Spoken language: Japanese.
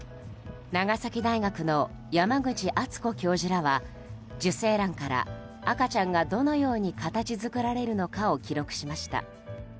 長崎大学の山口敦子教授らは受精卵から赤ちゃんがどのように形作られるのかを記録しました。